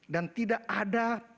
dan tidak ada